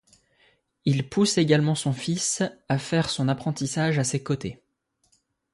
Il pousse également son fils à faire son apprentissage à ses côtés.